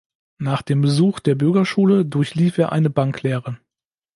Nach dem Besuch der Bürgerschule durchlief er eine Banklehre.